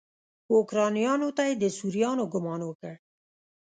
اوکرانیانو ته یې د سوريانو ګمان وکړ.